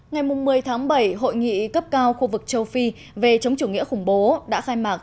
ngày một mươi tháng bảy hội nghị cấp cao khu vực châu phi về chống chủ nghĩa khủng bố đã khai mạc